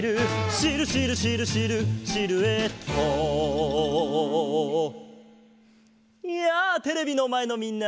「シルシルシルシルシルエット」やあテレビのまえのみんな！